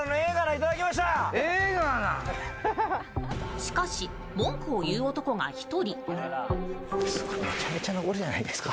しかし、文句を言う男が１人。